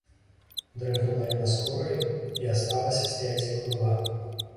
Дрыгнула яна скураю й асталася стаяць, як была.